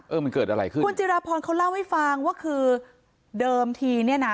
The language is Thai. เออมันเกิดอะไรขึ้นคุณจิราพรเขาเล่าให้ฟังว่าคือเดิมทีเนี่ยนะ